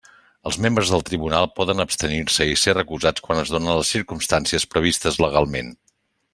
Els membres del tribunal poden abstenir-se i ser recusats quan es donen les circumstàncies previstes legalment.